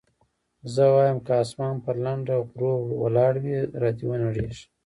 زه وايم که اسمان پر لنډه غرو ولاړ وي را دې ونړېږي.